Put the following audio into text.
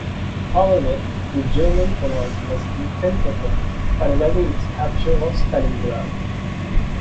However, the German command was intent upon finalizing its capture of Stalingrad.